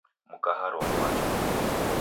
Mka Haron wacha.